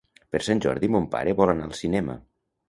Per Sant Jordi mon pare vol anar al cinema.